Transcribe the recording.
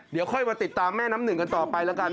เดี๋ยวค่อยมาติดตามแม่น้ำหนึ่งกันต่อไปแล้วกัน